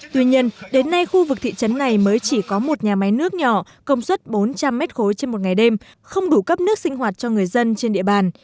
tuy nhiên đến nay khu vực thị trấn này mới chỉ có một nhà máy nước nhỏ công suất bốn trăm linh m ba trên một ngày đêm không đủ cấp nước sinh hoạt cho người dân trên địa bàn